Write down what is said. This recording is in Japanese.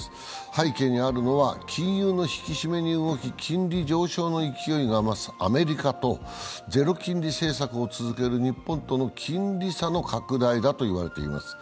背景にあるのは金融の引き締めに動き、金利上昇の勢いが増すアメリカとゼロ金利政策を続ける日本との金利差の拡大だといわれています。